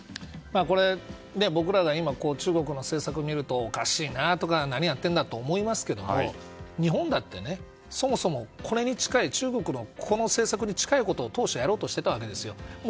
これは僕らが今中国の政策を見るとおかしいなとか何やってんだとか思いますけども日本だって、そもそも中国のこの政策に近いことを当初はやろうとしていたわけですよ。